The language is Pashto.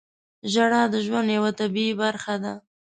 • ژړا د ژوند یوه طبیعي برخه ده.